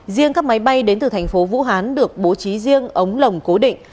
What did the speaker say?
riêng các máy bay đến từ tp hcm được bố trí riêng ống lồng cố định